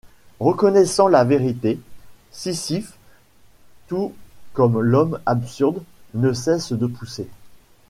Reconnaissant la vérité, Sisyphe, tout comme l'homme absurde, ne cesse de pousser.